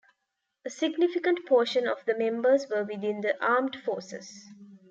A significant portion of the members were within the armed forces.